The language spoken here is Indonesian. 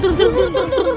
turun turun turun